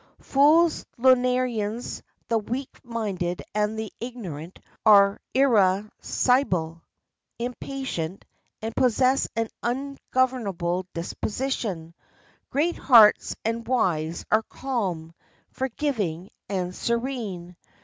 Fools, lunarians, the weak minded, and the ignorant are irascible, impatient, and possess an ungovernable disposition; great hearts and wise are calm, forgiving, and serene.